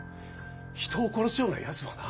人を殺すようなやつはな